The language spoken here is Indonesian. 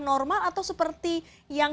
normal atau seperti yang